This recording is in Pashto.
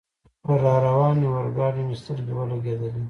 پر را روانې اورګاډي مې سترګې ولګېدلې.